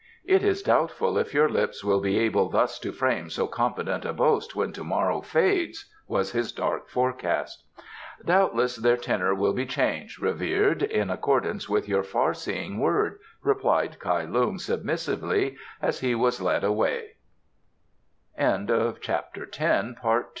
"It is doubtful if your lips will be able thus to frame so confident a boast when to morrow fades," was his dark forecast. "Doubtless their tenor will be changed, revered, in accordance with your far seeing word," replied Kai Lung submissively as he was led awa